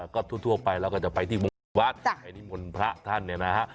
ก็ทั่วไปแล้วก็จะไปที่บริษัทให้นิมนต์พระท่านเนี่ยนะฮะ